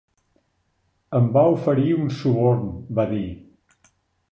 Em va oferir un suborn, va dir.